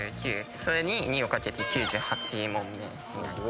それに２を掛けて９８問目になります。